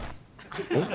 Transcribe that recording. えっ？